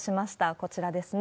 こちらですね。